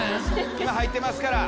今入ってますから。